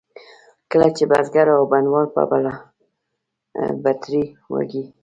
کله چې بزګر او بڼوال به بلابترې وړې.